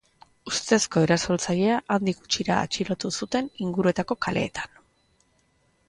Ustezko erasotzailea handik gutxira atxilotu zuten inguruetako kaleetan.